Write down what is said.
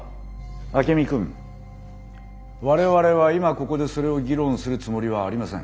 アケミ君我々は今ここでそれを議論するつもりはありません。